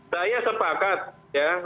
saya sepakat ya